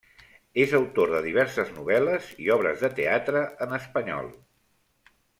És autor de diverses novel·les i obres de teatre en espanyol.